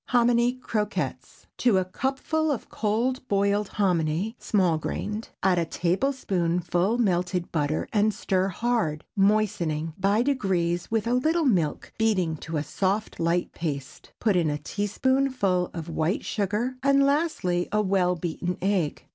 HOMINY CROQUETTES. ✠ To a cupful of cold boiled hominy (small grained) add a tablespoonful melted butter and stir hard, moistening, by degrees, with a little milk, beating to a soft light paste. Put in a teaspoonful of white sugar, and lastly, a well beaten egg.